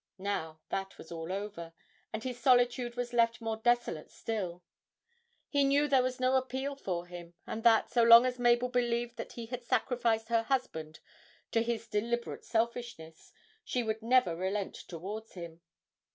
Now that was all over, and his solitude was left more desolate still; he knew there was no appeal for him, and that, so long as Mabel believed that he had sacrificed her husband to his deliberate selfishness, she would never relent towards him.